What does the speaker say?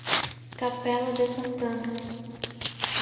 Capela de Santana